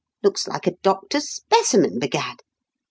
Looks like a doctor's specimen, b'gad.